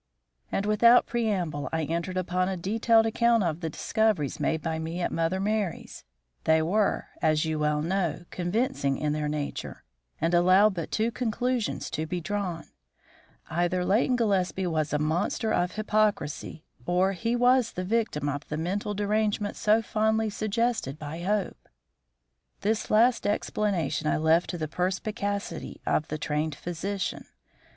And, without preamble, I entered upon a detailed account of the discoveries made by me at Mother Merry's. They were, as you well know, convincing in their nature, and allowed but two conclusions to be drawn. Either Leighton Gillespie was a monster of hypocrisy or he was the victim of the mental derangement so fondly suggested by Hope. This last explanation I left to the perspicacity of the trained physician.